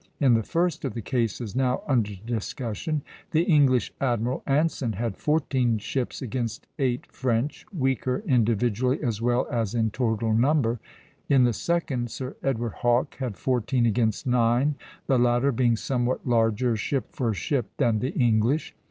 In the first of the cases now under discussion, the English Admiral Anson had fourteen ships against eight French, weaker individually as well as in total number; in the second, Sir Edward Hawke had fourteen against nine, the latter being somewhat larger, ship for ship, than the English.